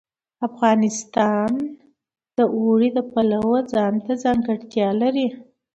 افغانستان د اوړي د پلوه ځانته ځانګړتیا لري.